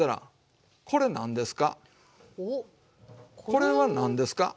これは何ですか？